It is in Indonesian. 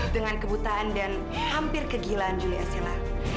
dengan kebutaan dan hampir kegilaan juli asila